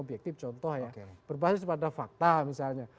objektif contoh ya berbasis pada fakta misalnya